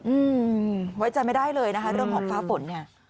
อืมไว้ใจไม่ได้เลยนะคะเรื่องของฟ้าฝนเนี่ย